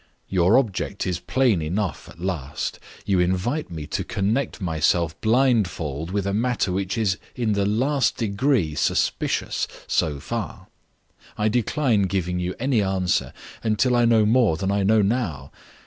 "Your object is plain enough, at last. You invite me to connect myself blindfold with a matter which is in the last degree suspicious, so far. I decline giving you any answer until I know more than I know now.